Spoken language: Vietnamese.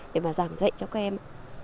để mà giảng dạy cho các em